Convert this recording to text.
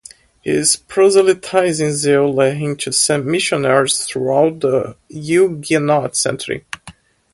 His proselytizing zeal led him to send missionaries throughout the Huguenot centre.